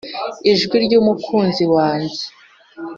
Ijwi ry’umukunzi wanjye,